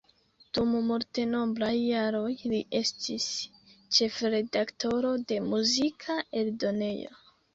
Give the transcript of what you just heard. Dum multenombraj jaroj, li estis ĉefredaktoro de muzika eldonejo.